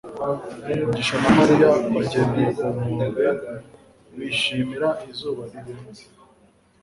mugisha na mariya bagendeye ku nkombe, bishimira izuba rirenze